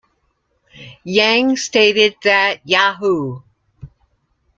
Yang stated that Yahoo!